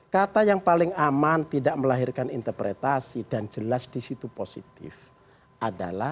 kata yang paling aman tidak melahirkan interpretasi dan jelas disitu positif adalah